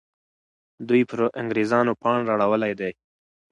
دوی پر انګریزانو پاڼ را اړولی دی.